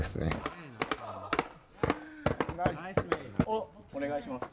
お願いします